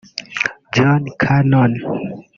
Jon Cannon